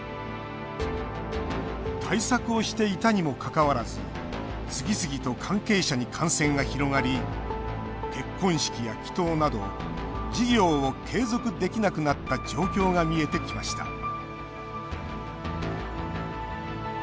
対策をしていたにもかかわらず次々と関係者に感染が広がり結婚式や祈とうなど事業を継続できなくなった状況が見えてきました